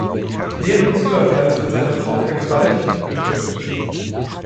Während des Überfalls wird seine Frau vergewaltigt und getötet.